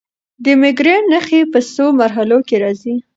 د مېګرین نښې په څو مرحلو کې راځي.